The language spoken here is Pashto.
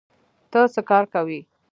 ته څه کار کوې؟